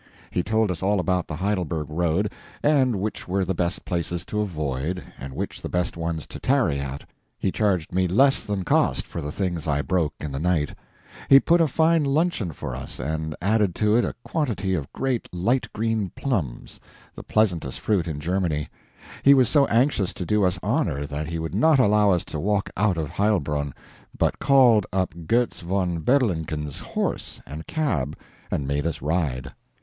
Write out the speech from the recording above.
He told us all about the Heidelberg road, and which were the best places to avoid and which the best ones to tarry at; he charged me less than cost for the things I broke in the night; he put up a fine luncheon for us and added to it a quantity of great light green plums, the pleasantest fruit in Germany; he was so anxious to do us honor that he would not allow us to walk out of Heilbronn, but called up Goetz von Berlichingen's horse and cab and made us ride.